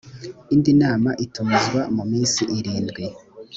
indi nama itumizwa mu minsi irindwi